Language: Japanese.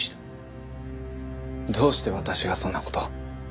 どうして私がそんな事を？